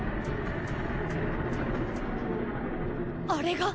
あれが。